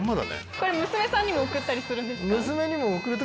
これ娘さんにも送ったりするんですか？